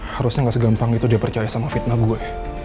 harusnya gak segampang itu dia percaya sama fitnah gue